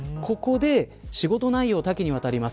仕事内容は多岐にわたります。